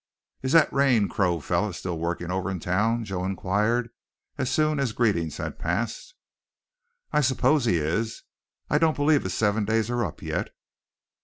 "Is that rain crow feller still workin' over in town?" Joe inquired as soon as greetings had passed. "I suppose he is, I don't believe his seven days are up yet."